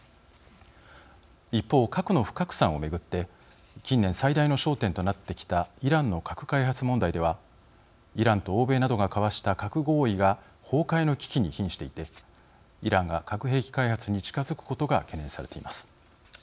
一方、核の不拡散を巡って近年最大の焦点となってきたイランの核開発問題ではイランと欧米などが交わした核合意が崩壊の危機にひんしていてイランが核兵器開発に近づくことが懸念されています。